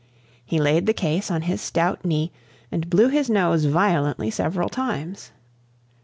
He laid the case on his stout knee, and blew his nose violently several times.